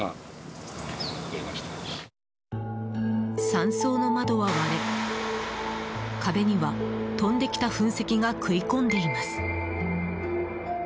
山荘の窓は割れ壁には飛んできた噴石が食い込んでいます。